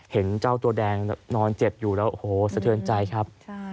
เห็นเจ้าตัวแดงนอนเจ็บอยู่แล้วโอ้โหสะเทือนใจครับ